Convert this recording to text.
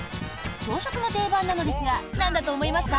朝食の定番なのですがなんだと思いますか？